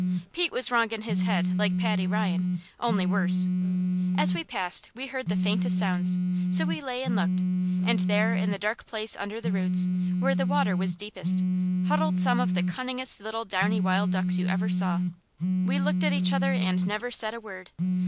Pete was wrong in his head like Paddy Ryan, only worse. As we passed we heard the faintest sounds, so we lay and looked, and there in the dark place under the roots, where the water was deepest, huddled some of the cunningest little downy wild ducks you ever saw. We looked at each other and never said a word.